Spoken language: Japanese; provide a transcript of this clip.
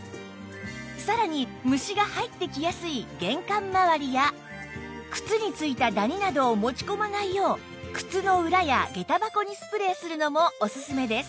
さらに虫が入ってきやすい玄関周りや靴に付いたダニなどを持ち込まないよう靴の裏や下駄箱にスプレーするのもオススメです